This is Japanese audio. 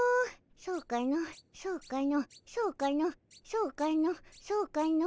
そうかのそうかのそうかのそうかのそうかの。